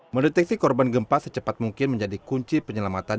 mendeteksi korban gempa secepat mungkin menjadi kunci penyelamatan